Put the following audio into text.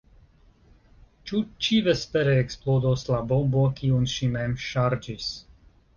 Ĉu ĉivespere eksplodos la bombo, kiun ŝi mem ŝarĝis?